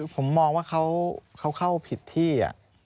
ผมมองว่าเขาเข้าผิดที่